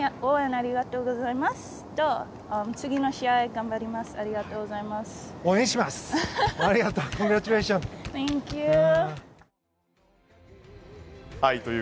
ありがとう。